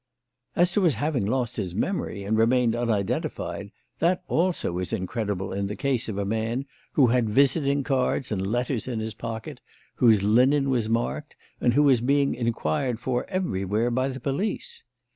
"As to his having lost his memory and remained unidentified, that, also, is incredible in the case of a man who had visiting cards and letters in his pocket, whose linen was marked, and who was being inquired for everywhere by the police.